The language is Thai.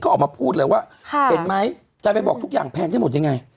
ออกมาพูดเลยว่าเห็นไหมจะไปบอกทุกอย่างแพงได้หมดยังไง